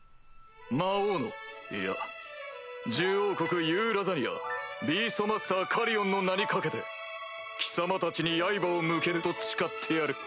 魔王のいや獣王国ユーラザニアビーストマスターカリオンの名に懸けて貴様たちに刃を向けぬと誓ってやる。